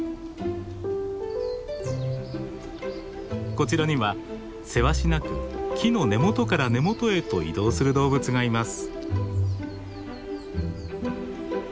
こちらにはせわしなく木の根元から根元へと移動する動物がいます。